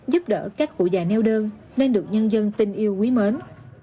giúp đỡ các khu dài neo đơn nên được nhân dân tình yêu quý mến